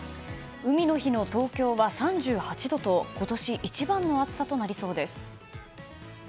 海の日の東京は３８度と今年一番の暑さとなりそうです。